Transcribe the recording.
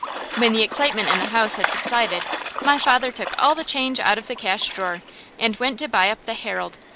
When the excitement in the house had subsided, my father took all the change out of the cash drawer and went to buy up the "Herald."